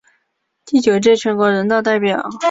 第九届全国人大代表。